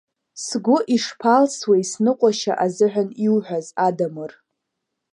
Сгәы ишԥалсуеи сныҟәашьа азыҳәан иуҳәаз, Адамыр!